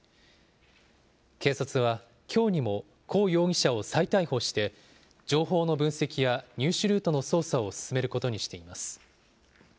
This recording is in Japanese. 警察はきょうにも、胡容疑者を再逮捕して、情報の分析や入手ルートの捜査を進めることにしています。